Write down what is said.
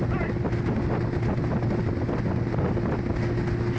ออกไป